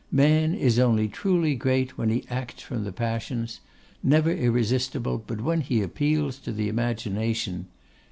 Man is only truly great when he acts from the passions; never irresistible but when he appeals to the imagination.